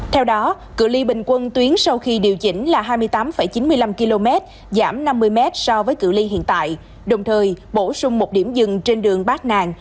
theo đó cửa ly bình quân tuyến sau khi điều chỉnh là hai mươi tám chín mươi năm km giảm năm mươi m so với cửa ly hiện tại đồng thời bổ sung một điểm dừng trên đường bát nàng